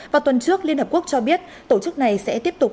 vào tuần trước liên hợp quốc cho biết tổ chức này sẽ tiếp tục